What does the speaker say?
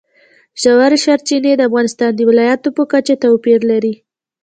ژورې سرچینې د افغانستان د ولایاتو په کچه توپیر لري.